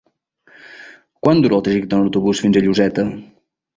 Quant dura el trajecte en autobús fins a Lloseta?